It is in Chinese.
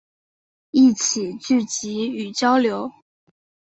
一起聚集与交流